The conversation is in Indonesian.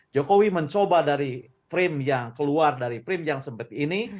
jokowi mencoba dari frame yang keluar dari frame yang sempet ini